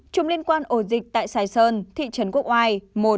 tám chùm liên quan ổ dịch tại sài sơn thị trấn quốc oai một